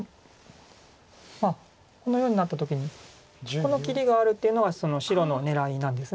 このようになった時にこの切りがあるっていうのは白の狙いなんです。